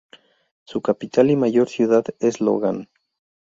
Su capital y mayor ciudad es Logan.